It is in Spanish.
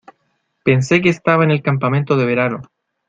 Pensé que estaba en el campamento de verano.